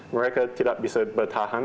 mereka tidak bisa bertahan